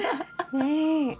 ねえ。